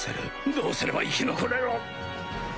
どうすれば生き残れる？